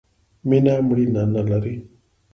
مینه مړینه نه لرئ